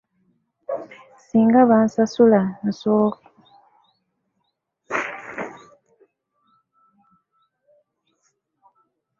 Ssinga bansasula nsooka kuzzaayo baana ku ssomero.